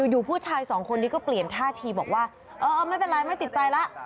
อยู่ผู้ชายสองคนนี้ก็เปลี่ยนท่าทีบอกว่าเออไม่เป็นไรไม่ติดใจแล้ว